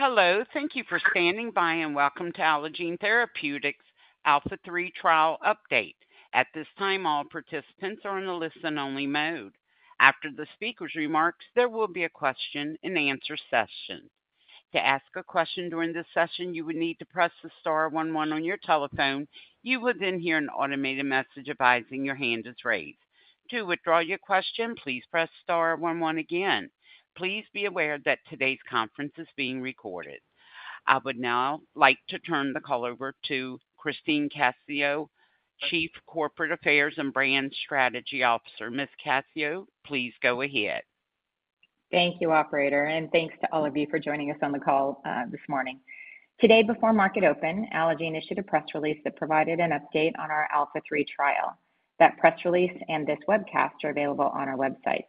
Hello. Thank you for standing by and welcome to Allogene Therapeutics ALPHA3 trial update. At this time, all participants are in the listen-only mode. After the speaker's remarks, there will be a question and answer session. To ask a question during this session, you would need to press the star one one on your telephone. You would then hear an automated message advising your hand is raised. To withdraw your question, please press star one one again. Please be aware that today's conference is being recorded. I would now like to turn the call over to Christine Cassiano, Chief Corporate Affairs and Brand Strategy Officer. Ms. Cassiano, please go ahead. Thank you, operator, and thanks to all of you for joining us on the call this morning. Today, before market open, Allogene Therapeutics issued a press release that provided an update on our ALPHA3 trial. That press release and this webcast are available on our website.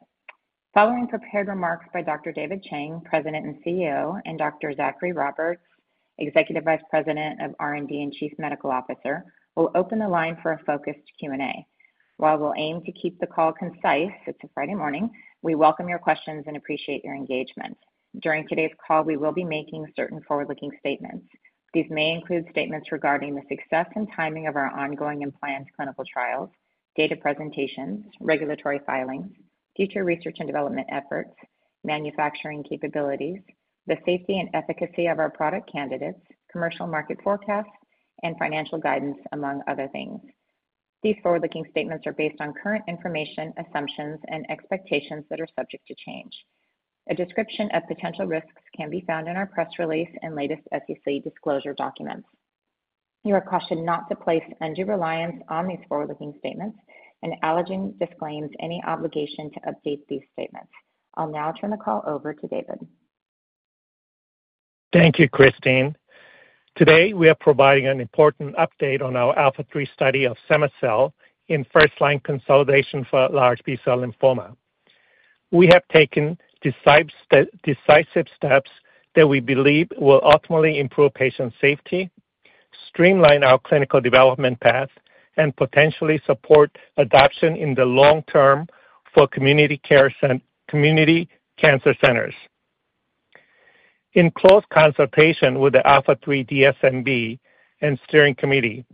Following prepared remarks by Dr. David Chang, President and CEO, and Dr. Zachary Roberts, Executive Vice President of R&D and Chief Medical Officer, we'll open the line for a focused Q&A. While we'll aim to keep the call concise, it's a Friday morning. We welcome your questions and appreciate your engagement. During today's call, we will be making certain forward-looking statements. These may include statements regarding the success and timing of our ongoing and planned clinical trials, data presentations, regulatory filings, future research and development efforts, manufacturing capabilities, the safety and efficacy of our product candidates, commercial market forecasts, and financial guidance, among other things. These forward-looking statements are based on current information, assumptions, and expectations that are subject to change. A description of potential risks can be found in our press release and latest SEC disclosure documents. You are cautioned not to place undue reliance on these forward-looking statements, and Allogene Therapeutics disclaims any obligation to update these statements. I'll now turn the call over to David. Thank you, Christine. Today, we are providing an important update on our ALPHA3 study of Cema-Cel in first-line consolidation for large B-cell lymphoma. We have taken decisive steps that we believe will ultimately improve patient safety, streamline our clinical development path, and potentially support adoption in the long term for community cancer centers. In close consultation with the ALPHA3 DSMB and steering committee,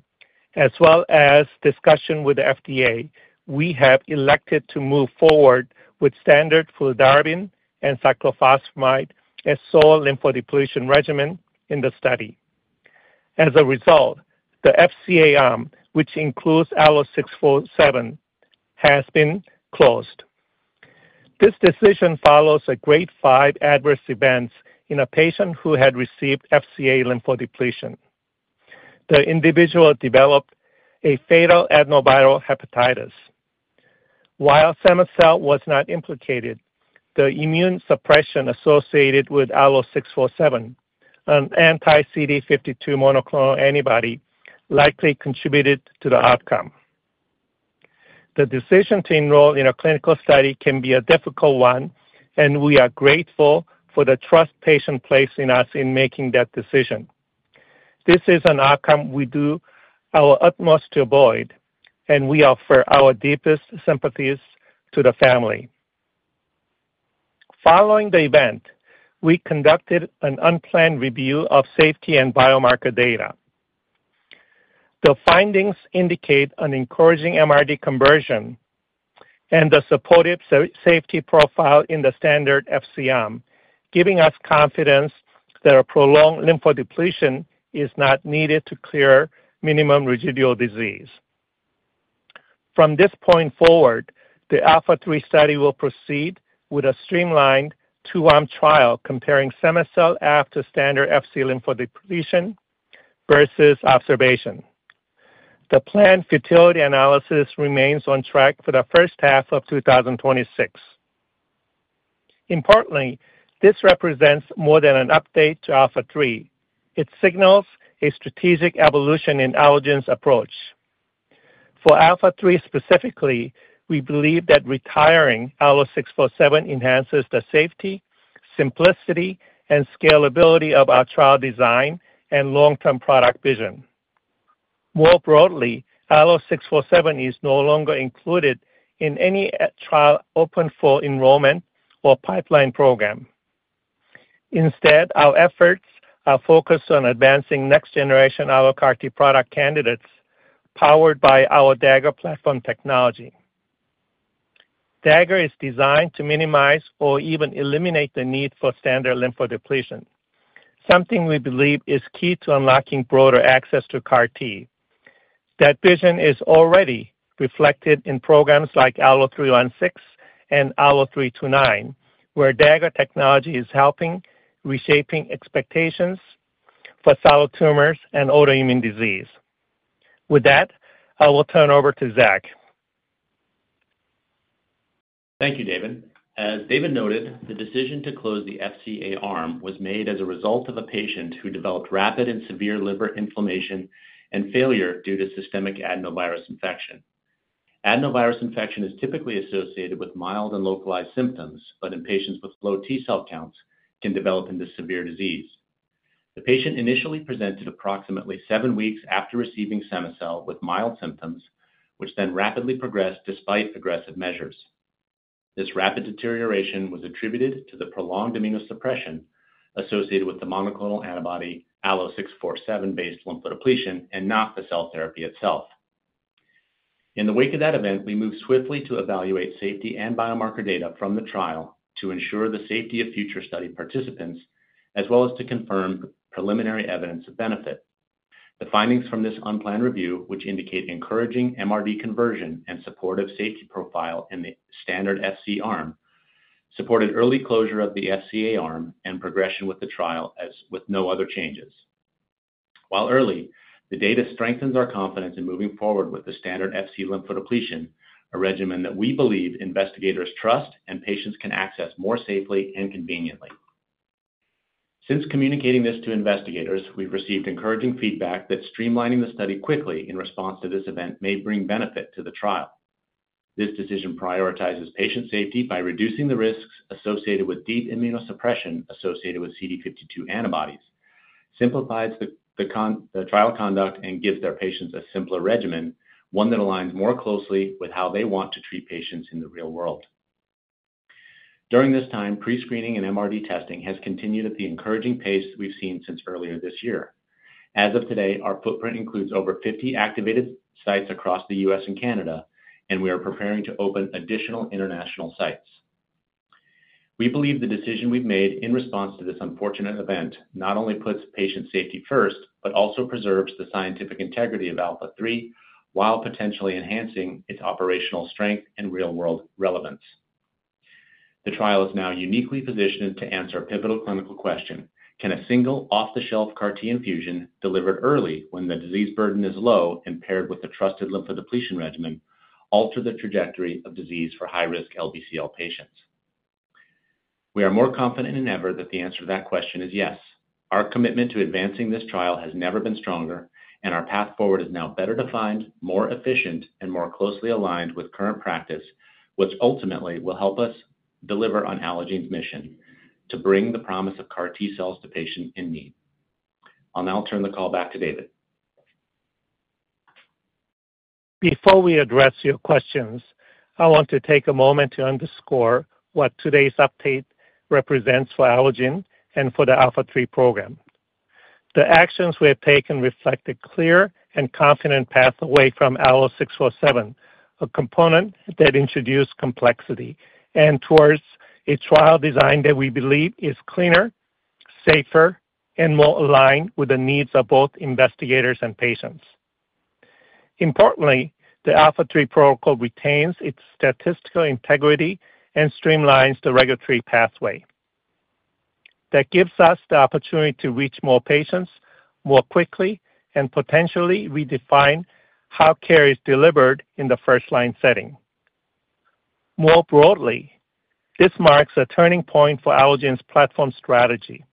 as well as discussion with the FDA, we have elected to move forward with standard fludarabine and cyclophosphamide as sole lymphodepletion regimen in the study. As a result, the FCA arm, which includes ALLO-647, has been closed. This decision follows a grade 5 adverse event in a patient who had received FCA lymphodepletion. The individual developed a fatal adenoviral hepatitis. While Cema-Cel was not implicated, the immune suppression associated with ALLO-647, an anti-CD52 monoclonal antibody, likely contributed to the outcome. The decision to enroll in a clinical study can be a difficult one, and we are grateful for the trust patients place in us in making that decision. This is an outcome we do our utmost to avoid, and we offer our deepest sympathies to the family. Following the event, we conducted an unplanned review of safety and biomarker data. The findings indicate an encouraging MRD conversion and a supportive safety profile in the standard FC arm, giving us confidence that a prolonged lymphodepletion is not needed to clear minimal residual disease. From this point forward, the ALPHA3 trial will proceed with a streamlined two-arm trial comparing Cema-Cel after standard FC lymphodepletion versus observation. The planned futility analysis remains on track for the first half of 2026. Importantly, this represents more than an update to ALPHA3. It signals a strategic evolution in Allogene's approach. For ALPHA3 specifically, we believe that retiring ALLO-647 enhances the safety, simplicity, and scalability of our trial design and long-term product vision. More broadly, ALLO-647 is no longer included in any trial open for enrollment or pipeline program. Instead, our efforts are focused on advancing next-generation AlloCAR-T product candidates powered by our Dagger platform technology. Dagger is designed to minimize or even eliminate the need for standard lymphodepletion, something we believe is key to unlocking broader access to CAR-T. That vision is already reflected in programs like ALLO-316 and ALLO-329, where Dagger technology is helping reshape expectations for solid tumors and autoimmune disease. With that, I will turn over to Zach. Thank you, David. As David noted, the decision to close the FCA arm was made as a result of a patient who developed rapid and severe liver inflammation and failure due to systemic adenovirus infection. Adenovirus infection is typically associated with mild and localized symptoms, but in patients with low T-cell counts, it can develop into severe disease. The patient initially presented approximately seven weeks after receiving Cema-Cel with mild symptoms, which then rapidly progressed despite aggressive measures. This rapid deterioration was attributed to the prolonged immunosuppression associated with the monoclonal antibody ALLO-647-based lymphodepletion and not the cell therapy itself. In the wake of that event, we moved swiftly to evaluate safety and biomarker data from the trial to ensure the safety of future study participants, as well as to confirm preliminary evidence of benefit. The findings from this unplanned review, which indicate encouraging MRD conversion and supportive safety profile in the standard FC arm, supported early closure of the FCA arm and progression with the trial with no other changes. While early, the data strengthens our confidence in moving forward with the standard FC lymphodepletion, a regimen that we believe investigators trust and patients can access more safely and conveniently. Since communicating this to investigators, we've received encouraging feedback that streamlining the study quickly in response to this event may bring benefit to the trial. This decision prioritizes patient safety by reducing the risks associated with deep immunosuppression associated with CD52 antibodies, simplifies the trial conduct, and gives our patients a simpler regimen, one that aligns more closely with how they want to treat patients in the real world. During this time, pre-screening and MRD testing has continued at the encouraging pace we've seen since earlier this year. As of today, our footprint includes over 50 activated sites across the U.S. and Canada, and we are preparing to open additional international sites. We believe the decision we've made in response to this unfortunate event not only puts patient safety first, but also preserves the scientific integrity of ALPHA3 while potentially enhancing its operational strength and real-world relevance. The trial is now uniquely positioned to answer a pivotal clinical question: can a single off-the-shelf CAR-T infusion delivered early when the disease burden is low and paired with a trusted lymphodepletion regimen alter the trajectory of disease for high-risk LBCL patients? We are more confident than ever that the answer to that question is yes. Our commitment to advancing this trial has never been stronger, and our path forward is now better defined, more efficient, and more closely aligned with current practice, which ultimately will help us deliver on Allogene's mission to bring the promise of CAR-T cells to patients in need. I'll now turn the call back to David. Before we address your questions, I want to take a moment to underscore what today's update represents for Allogene Therapeutics and for the ALPHA3 program. The actions we have taken reflect a clear and confident path away from ALLO-647, a component that introduced complexity, and towards a trial design that we believe is cleaner, safer, and more aligned with the needs of both investigators and patients. Importantly, the ALPHA3 protocol retains its statistical integrity and streamlines the regulatory pathway. That gives us the opportunity to reach more patients more quickly and potentially redefine how care is delivered in the first-line setting. More broadly, this marks a turning point for Allogene's platform strategy.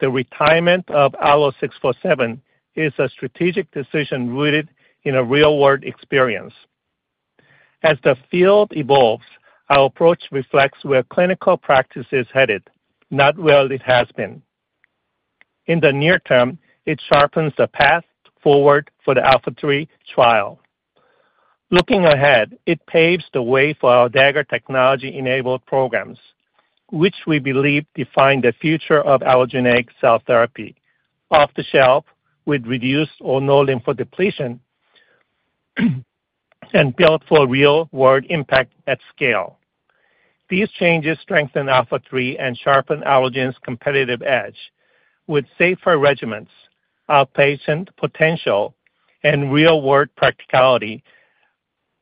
The retirement of ALLO-647 is a strategic decision rooted in real-world experience. As the field evolves, our approach reflects where clinical practice is headed, not where it has been. In the near term, it sharpens the path forward for the ALPHA3 trial. Looking ahead, it paves the way for our Dagger technology-enabled programs, which we believe define the future of allogeneic cell therapy: off-the-shelf, with reduced or no lymphodepletion, and built for real-world impact at scale. These changes strengthen ALPHA3 and sharpen Allogene Therapeutics' competitive edge. With safer regimens, outpatient potential, and real-world practicality,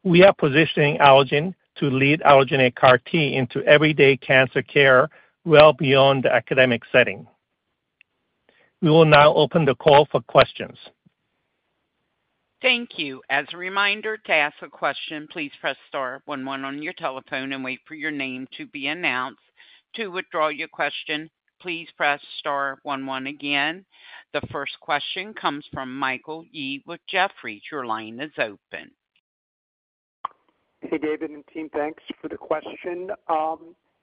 we are positioning Allogene to lead allogeneic CAR-T into everyday cancer care well beyond the academic setting. We will now open the call for questions. Thank you. As a reminder, to ask a question, please press star one one on your telephone and wait for your name to be announced. To withdraw your question, please press star one one again. The first question comes from Michael Yee with Jefferies. Your line is open. Hey, David and team, thanks for the question.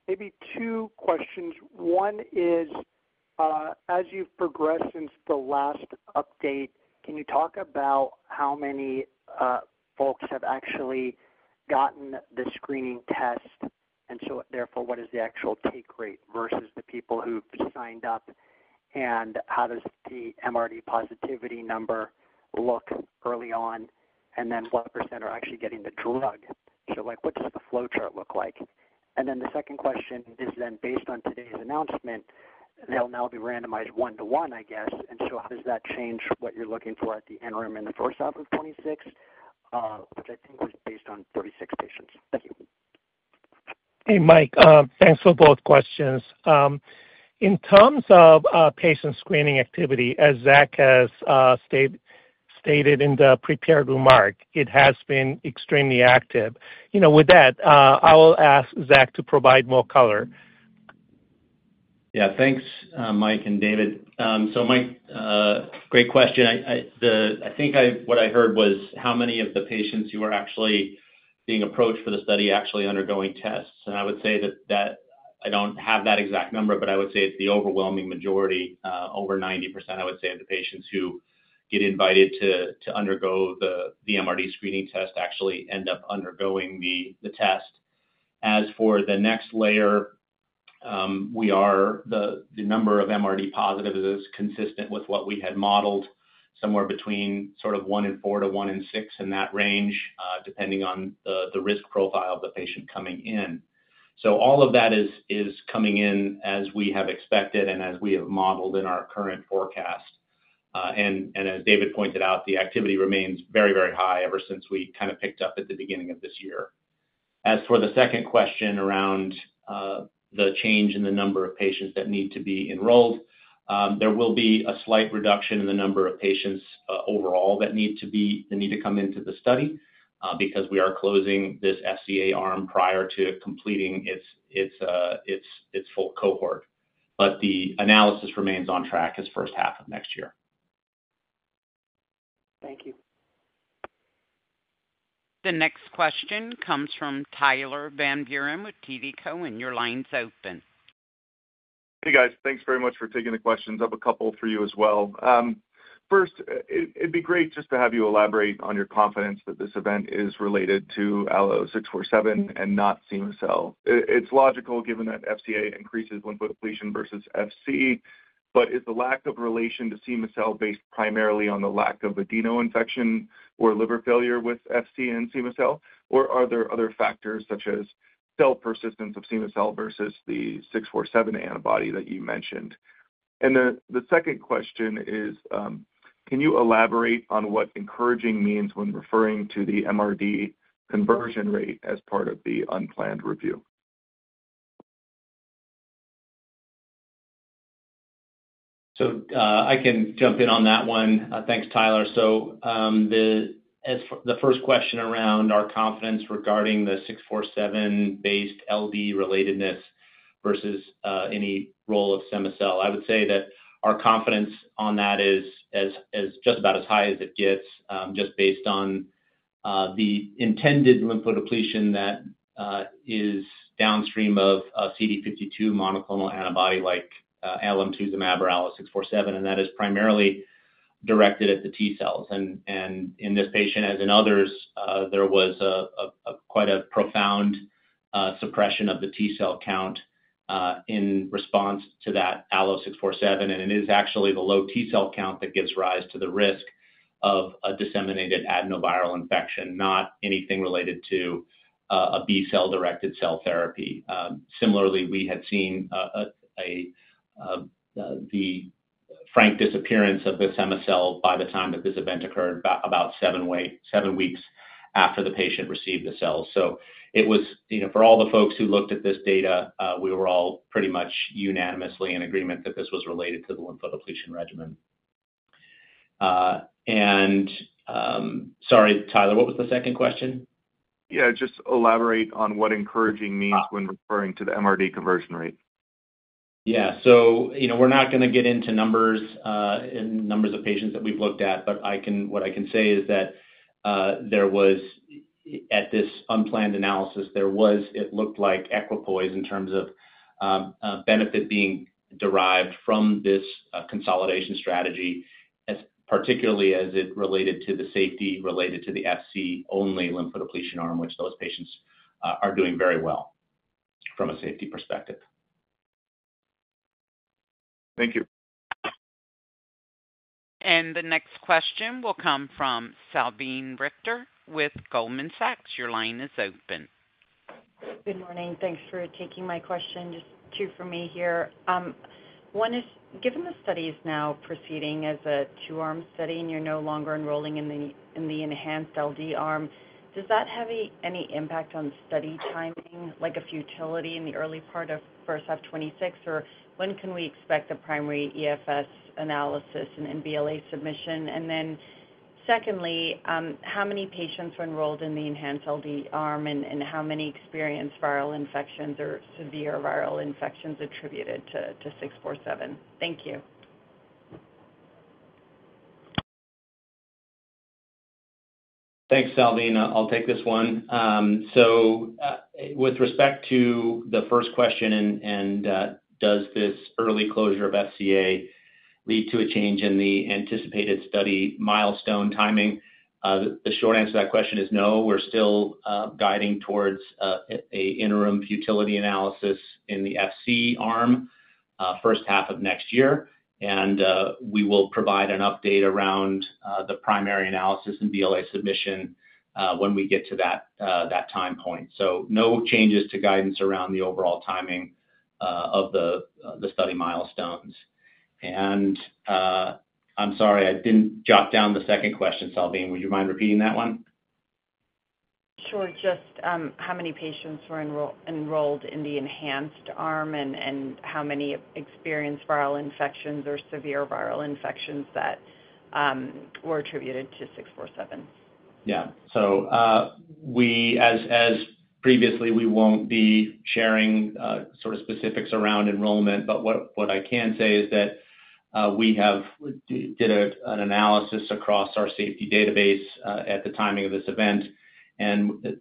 Maybe two questions. One is, as you've progressed since the last update, can you talk about how many folks have actually gotten the screening test? Therefore, what is the actual take rate versus the people who signed up? How does the MRD positivity number look early on? What % are actually getting the drug? What does a flow chart look like? The second question is, based on today's announcement, they'll now be randomized one to one, I guess. How does that change what you're looking for at the interim and the first half of 2026, which I think was based on 36 patients? Thank you. Hey, Mike. Thanks for both questions. In terms of patient screening activity, as Zach has stated in the prepared remark, it has been extremely active. With that, I will ask Zach to provide more color. Yeah, thanks, Mike and David. Mike, great question. I think what I heard was how many of the patients who are actually being approached for the study are actually undergoing tests. I would say that I don't have that exact number, but I would say it's the overwhelming majority, over 90%, of the patients who get invited to undergo the MRD screening test actually end up undergoing the test. As for the next layer, the number of MRD positives is consistent with what we had modeled, somewhere between one in four to one in six in that range, depending on the risk profile of the patient coming in. All of that is coming in as we have expected and as we have modeled in our current forecast. As David pointed out, the activity remains very, very high ever since we picked up at the beginning of this year. As for the second question around the change in the number of patients that need to be enrolled, there will be a slight reduction in the number of patients overall that need to come into the study, because we are closing this FCA arm prior to it completing its full cohort. The analysis remains on track as first half of next year. Thank you. The next question comes from Tyler Van Buren with TD Cowen, and your line's open. Hey, guys. Thanks very much for taking the questions. I have a couple for you as well. First, it'd be great just to have you elaborate on your confidence that this event is related to ALLO-647 and not Cema-Cel. It's logical given that FCA increases lymphodepletion versus FC, but is the lack of relation to Cema-Cel based primarily on the lack of adeno-infection or liver failure with FC and Cema-Cel, or are there other factors such as cell persistence of Cema-Cel versus the 647 antibody that you mentioned? The second question is, can you elaborate on what encouraging means when referring to the MRD conversion rate as part of the unplanned review? I can jump in on that one. Thanks, Tyler. The first question around our confidence regarding the 647-based LB relatedness versus any role of Cema-Cel, I would say that our confidence on that is just about as high as it gets, just based on the intended lymphodepletion that is downstream of a CD52 monoclonal antibody like alemtuzumab or ALLO-647, and that is primarily directed at the T cells. In this patient, as in others, there was quite a profound suppression of the T cell count in response to that ALLO-647, and it is actually the low T cell count that gives rise to the risk of a disseminated adenoviral infection, not anything related to a B-cell directed cell therapy. Similarly, we had seen the frank disappearance of the Cema-Cel by the time that this event occurred, about seven weeks after the patient received the cells. For all the folks who looked at this data, we were all pretty much unanimously in agreement that this was related to the lymphodepletion regimen. Sorry, Tyler, what was the second question? Yeah, just elaborate on what encouraging means when referring to the MRD conversion rate. Yeah. We're not going to get into numbers, and numbers of patients that we've looked at, but what I can say is that at this unplanned analysis, it looked like equipoise in terms of benefit being derived from this consolidation strategy, particularly as it related to the safety related to the FC only lymphodepletion arm, which those patients are doing very well from a safety perspective. Thank you. The next question will come from Salveen Richter with Goldman Sachs. Your line is open. Good morning. Thanks for taking my question. Just two for me here. One is, given the study is now proceeding as a two-arm study and you're no longer enrolling in the enhanced LD arm, does that have any impact on study timing, like a futility in the early part of first half 2026, or when can we expect the primary EFS analysis and NBLA submission? Secondly, how many patients were enrolled in the enhanced LD arm and how many experienced viral infections or severe viral infections attributed to 647? Thank you. Thanks, Salveen. I'll take this one. With respect to the first question, does this early closure of FCA lead to a change in the anticipated study milestone timing? The short answer to that question is no. We're still guiding towards an interim futility analysis in the FC arm, first half of next year. We will provide an update around the primary analysis and BLA submission when we get to that time point. No changes to guidance around the overall timing of the study milestones. I'm sorry, I didn't jot down the second question, Salveen. Would you mind repeating that one? Sure. How many patients were enrolled in the enhanced arm, and how many experienced viral infections or severe viral infections that were attributed to 647? Yeah. As previously, we won't be sharing specifics around enrollment, but what I can say is that we did an analysis across our safety database at the timing of this event.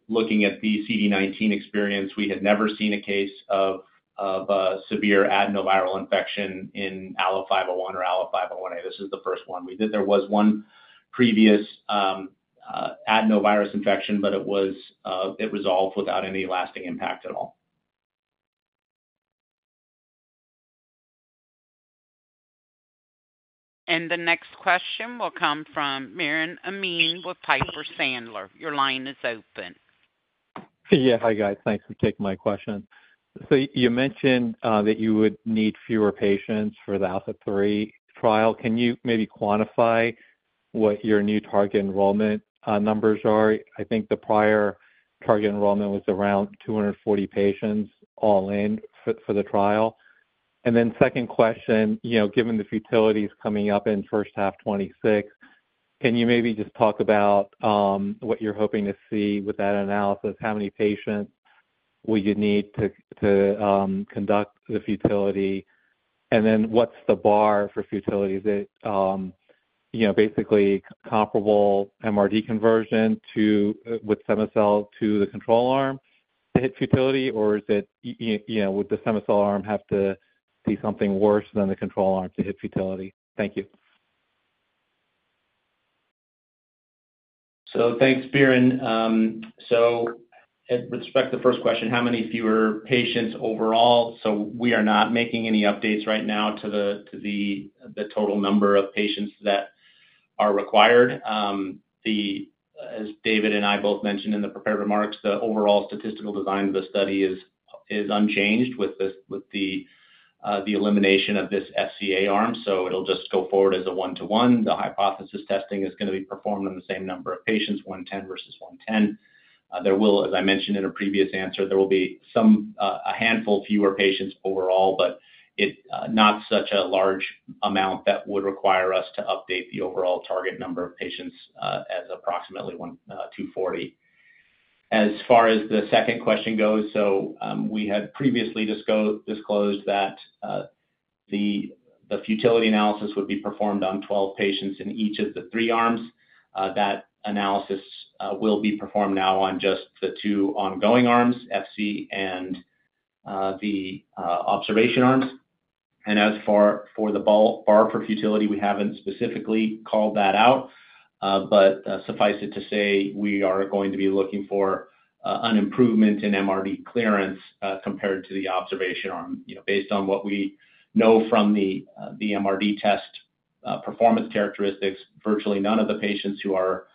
Looking at the CD19 experience, we had never seen a case of a severe adenoviral infection in ALLO-501 or ALLO-501A. This is the first one we did. There was one previous adenovirus infection, but it resolved without any lasting impact at all. The next question will come from Biren Amin with Piper Sandler. Your line is open. Yeah. Hi, guys. Thanks for taking my question. You mentioned that you would need fewer patients for the ALPHA3 trial. Can you maybe quantify what your new target enrollment numbers are? I think the prior target enrollment was around 240 patients all in for the trial. Second question, given the futility is coming up in the first half of 2026, can you maybe just talk about what you're hoping to see with that analysis? How many patients will you need to conduct the futility? What's the bar for futility? Is it basically comparable MRD conversion with Cema-Cel to the control arm to hit futility, or would the Cema-Cel arm have to be something worse than the control arm to hit futility? Thank you. Thanks, Biren. With respect to the first question, how many fewer patients overall? We are not making any updates right now to the total number of patients that are required. As David and I both mentioned in the prepared remarks, the overall statistical design of the study is unchanged with the elimination of this FCA arm. It will just go forward as a one-to-one. The hypothesis testing is going to be performed on the same number of patients, 110 versus 110. There will, as I mentioned in a previous answer, be some, a handful fewer patients overall, but not such a large amount that would require us to update the overall target number of patients, as approximately 240. As far as the second question goes, we had previously disclosed that the futility analysis would be performed on 12 patients in each of the three arms. That analysis will be performed now on just the two ongoing arms, FC and the observation arms. As for the bar for futility, we haven't specifically called that out, but suffice it to say we are going to be looking for an improvement in MRD clearance compared to the observation arm. Based on what we know from the MRD test performance characteristics, virtually none of the patients who are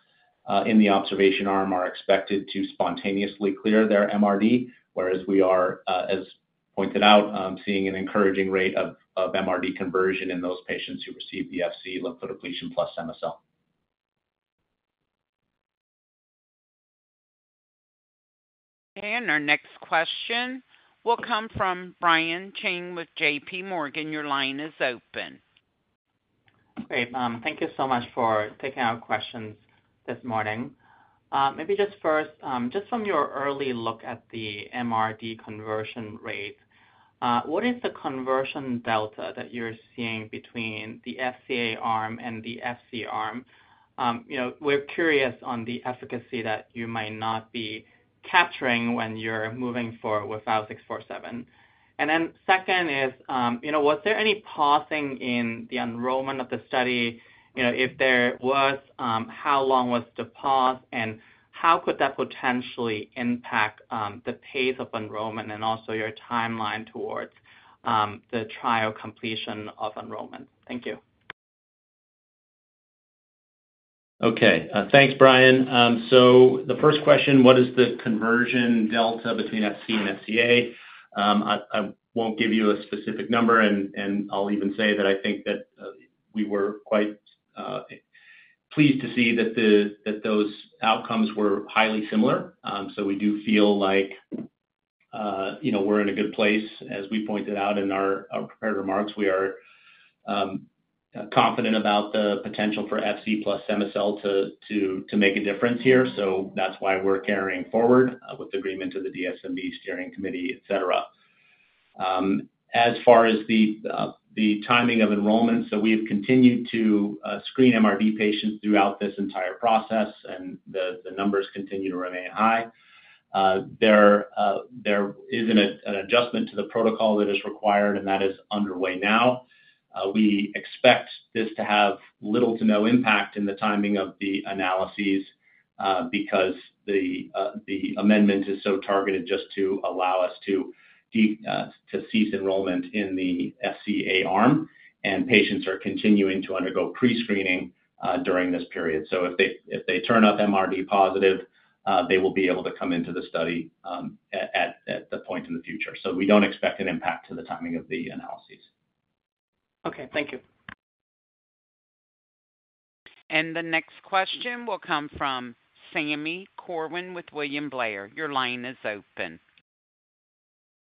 in the observation arm are expected to spontaneously clear their MRD, whereas we are, as pointed out, seeing an encouraging rate of MRD conversion in those patients who receive the FC lymphodepletion plus Cema-Cel. Our next question will come from Brian Chang with JPMorgan. Your line is open. Great. Thank you so much for taking our questions this morning. Maybe just first, just from your early look at the MRD conversion rates, what is the conversion delta that you're seeing between the FCA arm and the FC arm? We're curious on the efficacy that you might not be capturing when you're moving forward with ALLO-647. Second, was there any pausing in the enrollment of the study? If there was, how long was the pause and how could that potentially impact the pace of enrollment and also your timeline towards the trial completion of enrollment? Thank you. Okay, thanks, Brian. The first question, what is the conversion delta between FC and FCA? I won't give you a specific number, and I'll even say that I think that we were quite pleased to see that those outcomes were highly similar. We do feel like we're in a good place. As we pointed out in our prepared remarks, we are confident about the potential for FC plus Cema-Cel to make a difference here. That's why we're carrying forward with agreement to the DSMB steering committee, etc. As far as the timing of enrollment, we've continued to screen MRD patients throughout this entire process, and the numbers continue to remain high. There is an adjustment to the protocol that is required, and that is underway now. We expect this to have little to no impact in the timing of the analyses, because the amendment is so targeted just to allow us to cease enrollment in the FCA arm. Patients are continuing to undergo pre-screening during this period. If they turn up MRD positive, they will be able to come into the study at the point in the future. We don't expect an impact to the timing of the analyses. Okay. Thank you. The next question will come from Sami Corwin with William Blair. Your line is open.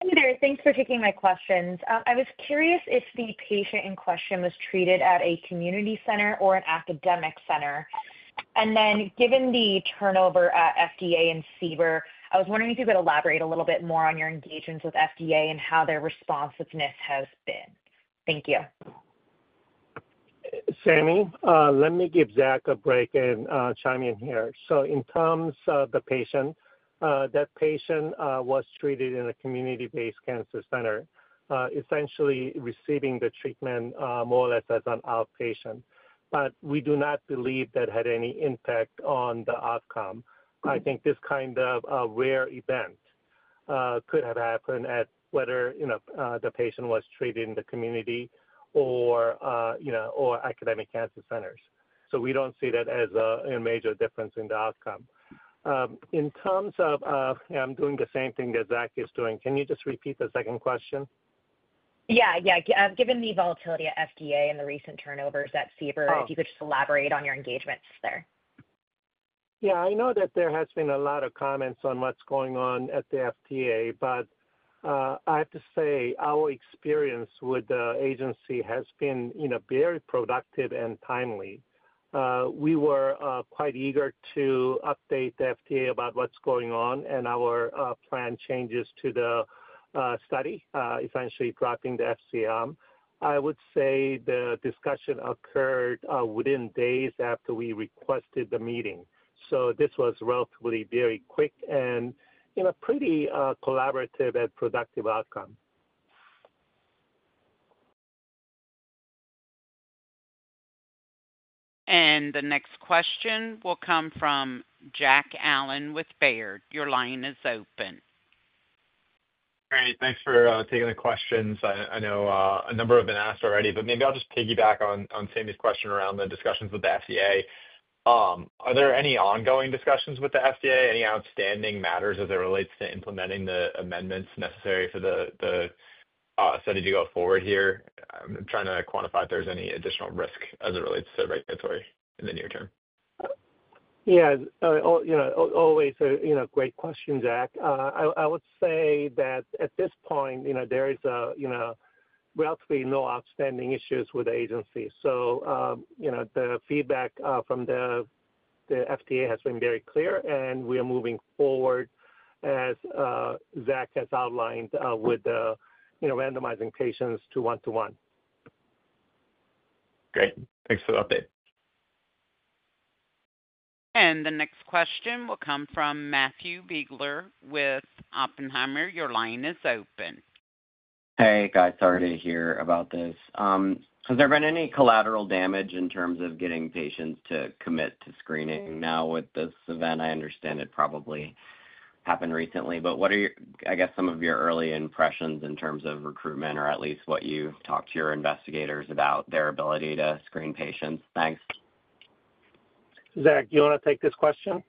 Hey, there. Thanks for taking my questions. I was curious if the patient in question was treated at a community center or an academic center. Given the turnover at the FDA and CBER, I was wondering if you could elaborate a little bit more on your engagements with the FDA and how their responsiveness has been. Thank you. Sami, let me give Zach a break and chime in here. In terms of the patient, that patient was treated in a community-based cancer center, essentially receiving the treatment more or less as an outpatient. We do not believe that had any impact on the outcome. I think this kind of rare event could have happened whether the patient was treated in the community or academic cancer centers. We don't see that as a major difference in the outcome. In terms of, I'm doing the same thing that Zach is doing. Can you just repeat the second question? Yeah, given the volatility at the FDA and the recent turnovers at CBER, if you could just elaborate on your engagements there. Yeah. I know that there has been a lot of comments on what's going on at the FDA, but I have to say our experience with the agency has been very productive and timely. We were quite eager to update the FDA about what's going on and our plan changes to the study, essentially dropping the FC arm. I would say the discussion occurred within days after we requested the meeting. This was relatively very quick and in a pretty collaborative and productive outcome. The next question will come from Jack Allen with Baird. Your line is open. All right. Thanks for taking the questions. I know a number have been asked already, but maybe I'll just piggyback on Sami's question around the discussions with the FDA. Are there any ongoing discussions with the FDA? Any outstanding matters as it relates to implementing the amendments necessary for the study to go forward here? I'm trying to quantify if there's any additional risk as it relates to regulatory in the near term. Yeah. Always great question, Jack. I would say that at this point, there is relatively no outstanding issues with the agency. The feedback from the FDA has been very clear, and we are moving forward as Zach has outlined, with the randomizing patients to one-to-one. Great. Thanks for the update. The next question will come from Matthew Biegler with Oppenheimer. Your line is open. Hey, guys. Sorry to hear about this. Has there been any collateral damage in terms of getting patients to commit to screening? Now, with this event, I understand it probably happened recently, but what are your, I guess, some of your early impressions in terms of recruitment or at least what you talk to your investigators about their ability to screen patients? Thanks. Zach, do you want to take this question?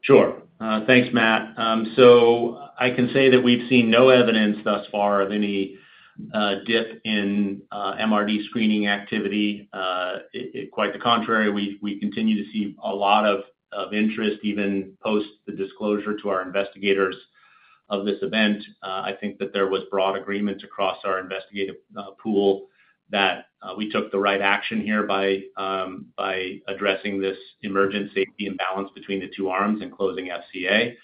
Sure. Thanks, Matt. I can say that we've seen no evidence thus far of any dip in MRD screening activity. Quite the contrary, we continue to see a lot of interest even post the disclosure to our investigators of this event. I think that there was broad agreement across our investigative pool that we took the right action here by addressing this emergent safety imbalance between the two arms and closing FCA.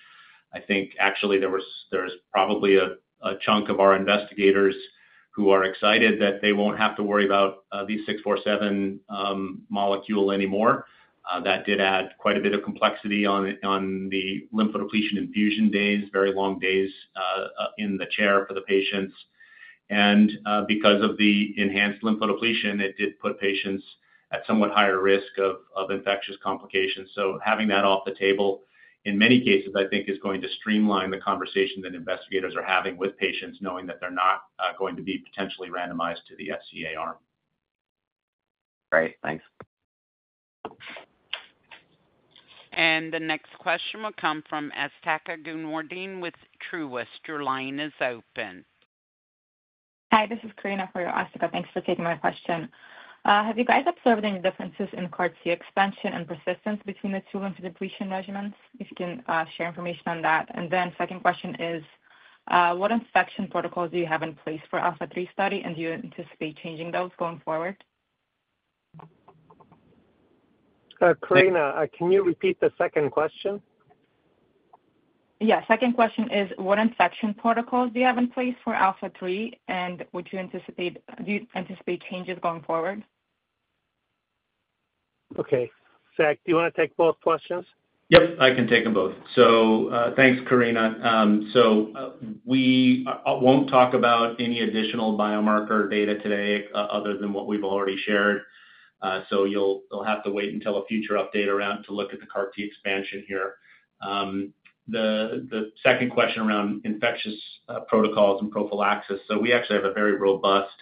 I think, actually, there's probably a chunk of our investigators who are excited that they won't have to worry about the 647 molecule anymore. That did add quite a bit of complexity on the lymphodepletion infusion days, very long days in the chair for the patients. Because of the enhanced lymphodepletion, it did put patients at somewhat higher risk of infectious complications. Having that off the table in many cases, I think, is going to streamline the conversation that investigators are having with patients knowing that they're not going to be potentially randomized to the FCA arm. Great. Thanks. The next question will come from Asthika Goonewardene with Truist. Your line is open. Hi. This is Karina for Azteca. Thanks for taking my question. Have you guys observed any differences in CAR-T expansion and persistence between the two lymphodepletion regimens? If you can, share information on that. My second question is, what infection protocols do you have in place for ALPHA3 study, and do you anticipate changing those going forward? Karina, can you repeat the second question? Yeah. Second question is, what infection protocols do you have in place for ALPHA3, and do you anticipate changes going forward? Okay. Zach, do you want to take both questions? Yep. I can take them both. Thanks, Karina. We won't talk about any additional biomarker data today, other than what we've already shared. You'll have to wait until a future update to look at the CAR-T expansion here. The second question around infectious protocols and prophylaxis. We actually have a very robust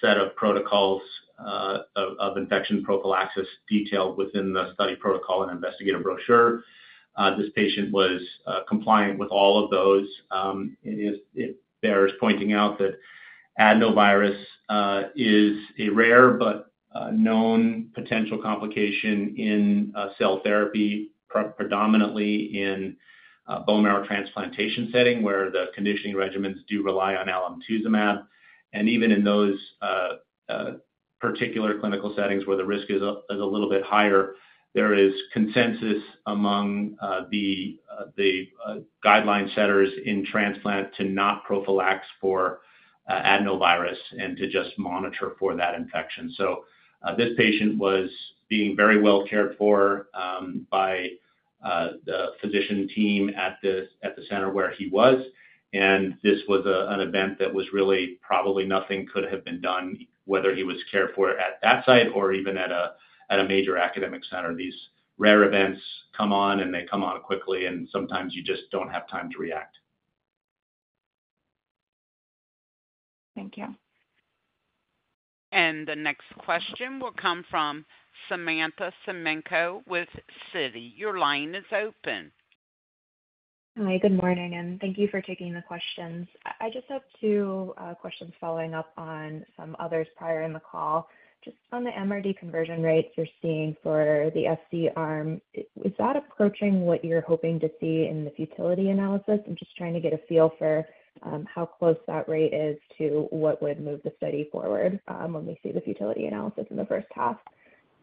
set of protocols of infection prophylaxis detailed within the study protocol and investigative brochure. This patient was compliant with all of those. It bears pointing out that adenovirus is a rare but known potential complication in cell therapy, predominantly in bone marrow transplantation setting where the conditioning regimens do rely on alemtuzumab. Even in those particular clinical settings where the risk is a little bit higher, there is consensus among the guideline setters in transplant to not prophylax for adenovirus and to just monitor for that infection. This patient was being very well cared for by the physician team at the center where he was. This was an event that was really probably nothing could have been done whether he was cared for at that site or even at a major academic center. These rare events come on, and they come on quickly, and sometimes you just don't have time to react. Thank you. The next question will come from Samantha Semenkow with Citi. Your line is open. Hi. Good morning. Thank you for taking the questions. I just have two questions following up on some others prior in the call. Just on the MRD conversion rates you're seeing for the FC arm, is that approaching what you're hoping to see in the futility analysis? I'm just trying to get a feel for how close that rate is to what would move the study forward, when we see the futility analysis in the first half.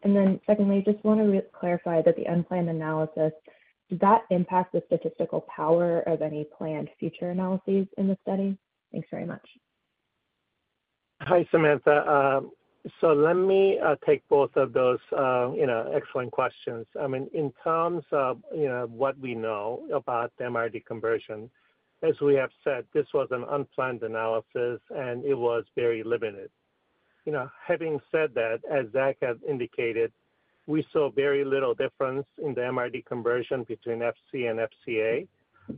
I just want to clarify that the unplanned analysis, does that impact the statistical power of any planned future analyses in the study? Thanks very much. Hi, Samantha. Let me take both of those excellent questions. In terms of what we know about the MRD conversion, as we have said, this was an unplanned analysis, and it was very limited. Having said that, as Zach had indicated, we saw very little difference in the MRD conversion between FC and FCA.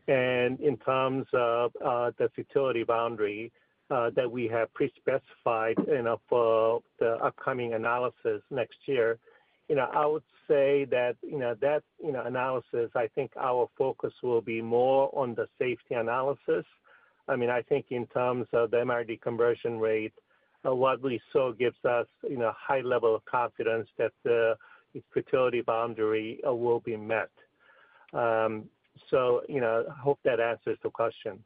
In terms of the futility boundary that we have pre-specified for the upcoming analysis next year, I would say that analysis, I think our focus will be more on the safety analysis. I think in terms of the MRD conversion rate, what we saw gives us a high level of confidence that the futility boundary will be met. I hope that answers the question.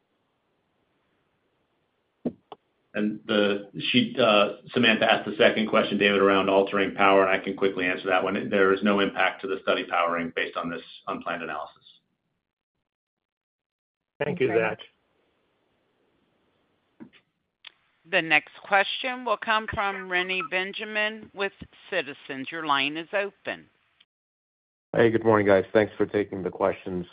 Samantha asked the second question, David, around altering power, and I can quickly answer that one. There is no impact to the study powering based on this unplanned analysis. Thank you, Zach. The next question will come from Reni Benjamin with Citizens. Your line is open. Hey, good morning, guys. Thanks for taking the questions.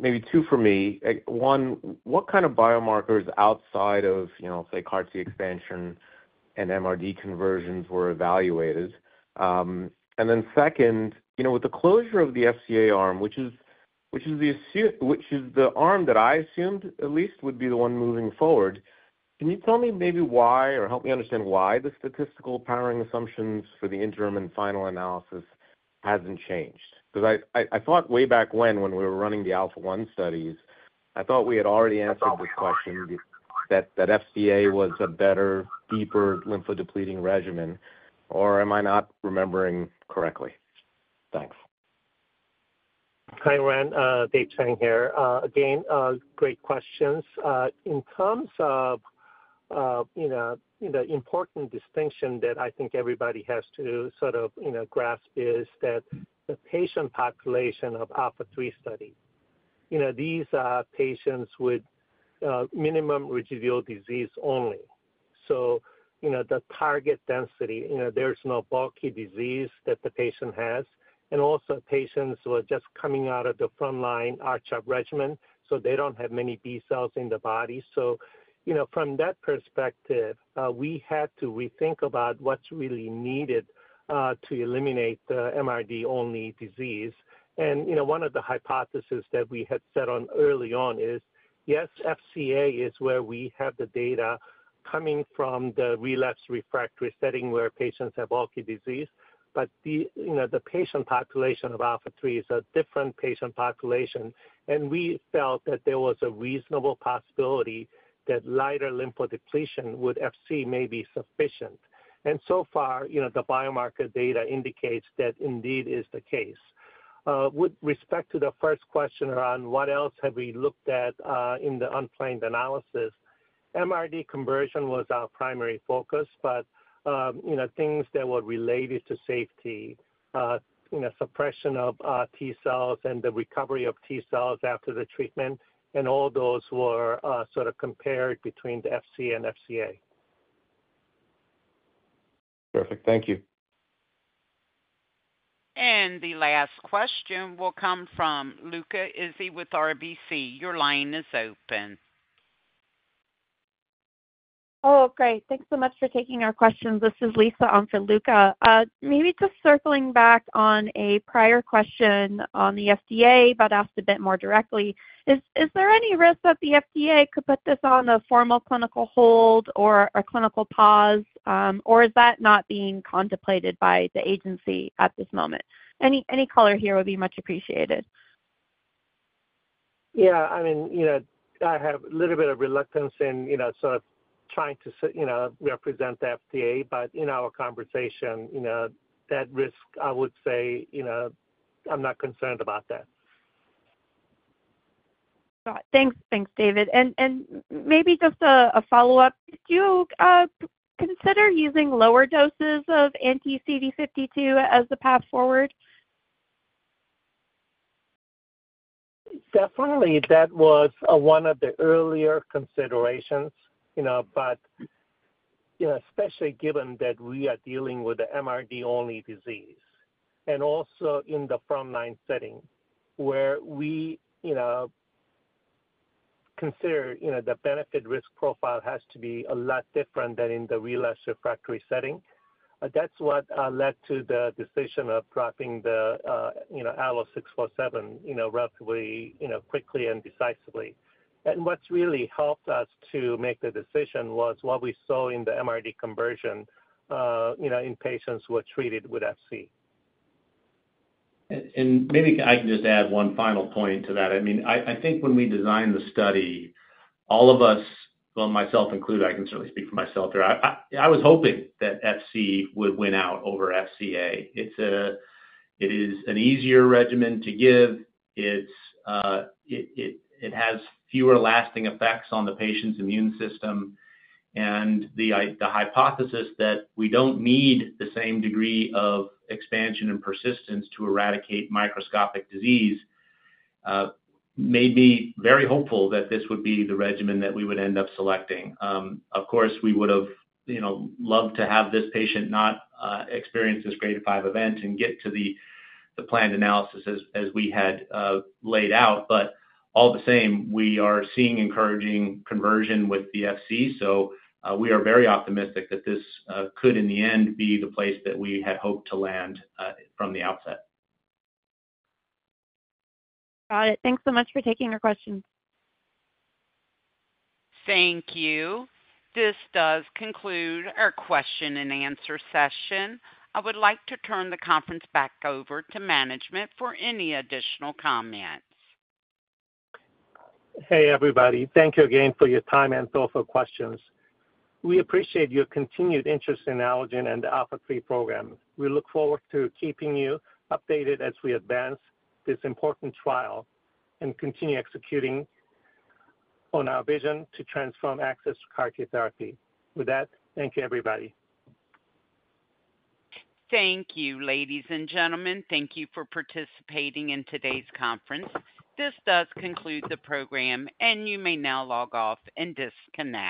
Maybe two for me. One, what kind of biomarkers outside of, you know, let's say CAR-T expansion and MRD conversions were evaluated? And then second, you know, with the closure of the FCA arm, which is the arm that I assumed at least would be the one moving forward, can you tell me maybe why or help me understand why the statistical powering assumptions for the interim and final analysis hasn't changed? Because I thought way back when, when we were running the ALPHA1 studies, I thought we had already answered this question that FCA was a better, deeper lymphodepleting regimen. Or am I not remembering correctly? Thanks. Hi, Reni. Dave Chang here. Great questions. In terms of the important distinction that I think everybody has to sort of grasp is that the patient population of ALPHA3 trial, these are patients with minimal residual disease only. The target density, there's no bulky disease that the patient has. Also, patients were just coming out of the frontline R-CHOP regimen, so they don't have many B cells in the body. From that perspective, we had to rethink about what's really needed to eliminate the MRD-only disease. One of the hypotheses that we had set on early on is, yes, FCA is where we have the data coming from the relapse refractory setting where patients have bulky disease, but the patient population of ALPHA3 trial is a different patient population. We felt that there was a reasonable possibility that lighter lymphodepletion with FC may be sufficient. So far, the biomarker data indicates that indeed is the case. With respect to the first question around what else have we looked at, in the unplanned analysis, MRD conversion was our primary focus, but things that were related to safety, suppression of T cells and the recovery of T cells after the treatment, all those were compared between the FC and FCA. Perfect. Thank you. The last question will come from Luca Izzi with RBC. Your line is open. Oh, great. Thanks so much for taking our questions. This is Lisa on for Luca. Maybe just circling back on a prior question on the FDA, but asked a bit more directly. Is there any risk that the FDA could put this on a formal clinical hold or a clinical pause, or is that not being contemplated by the agency at this moment? Any color here would be much appreciated. Yeah, I mean, I have a little bit of reluctance in trying to represent the FDA. In our conversation, that risk, I would say, I'm not concerned about that. Got it. Thanks, David. Maybe just a follow-up. Did you consider using lower doses of anti-CD52 as the path forward? Definitely. That was one of the earlier considerations, especially given that we are dealing with the MRD-only disease and also in the frontline setting where we consider the benefit-risk profile has to be a lot different than in the relapse refractory setting. That's what led to the decision of dropping the ALLO-647 relatively quickly and decisively. What's really helped us to make the decision was what we saw in the MRD conversion in patients who were treated with FC. Maybe I can just add one final point to that. I think when we designed the study, all of us, myself included, I can certainly speak for myself here. I was hoping that FC would win out over FCA. It is an easier regimen to give, it has fewer lasting effects on the patient's immune system, and the hypothesis that we don't need the same degree of expansion and persistence to eradicate microscopic disease made me very hopeful that this would be the regimen that we would end up selecting. Of course, we would have loved to have this patient not experience this grade 5 event and get to the planned analysis as we had laid out. All the same, we are seeing encouraging conversion with the FC. We are very optimistic that this could in the end be the place that we had hoped to land from the outset. Got it. Thanks so much for taking your questions. Thank you. This does conclude our question and answer session. I would like to turn the conference back over to management for any additional comments. Hey, everybody. Thank you again for your time and thoughtful questions. We appreciate your continued interest in Allogene and the ALPHA3 program. We look forward to keeping you updated as we advance this important trial and continue executing on our vision to transform access to CAR-T therapy. With that, thank you, everybody. Thank you, ladies and gentlemen. Thank you for participating in today's conference. This does conclude the program, and you may now log off and disconnect.